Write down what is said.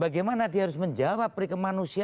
bagaimana dia harus menjawab perikemanusiaan